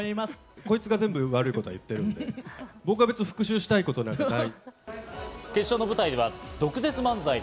こいつが全部悪い言葉言ってるんで、僕は復讐したいことなんかない。